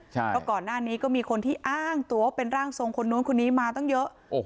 เพราะก่อนหน้านี้ก็มีคนที่อ้างตัวว่าเป็นร่างทรงคนนู้นคนนี้มาตั้งเยอะ